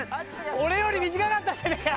俺より短かったじゃねえか！